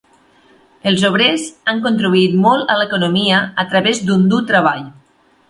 Els obrers han contribuït molt a l'economia a través d'un dur treball.